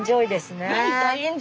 はい。